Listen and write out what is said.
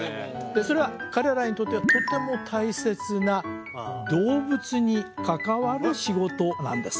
それは彼らにとってはとても大切な動物に関わる仕事なんです